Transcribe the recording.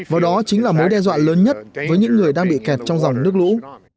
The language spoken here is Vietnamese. và đó chính là mối đe dọa lớn nhất với những người đang bị kẹt trong dòng nước lũ